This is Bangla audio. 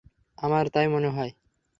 আমার তাই মনে হয়।